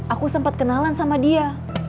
aku sempat kenalan sama dia